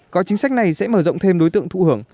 gói chính sách này sẽ mở rộng thêm đối tượng thụ hưởng